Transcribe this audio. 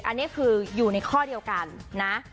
อันนี้คืออยู่ในข้อเดียวกันนะ